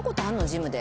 ジムで。